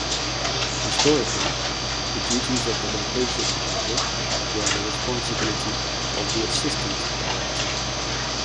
Historically, the duties of the Location Manager were the responsibility of the Assistant Director.